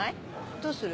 どうする？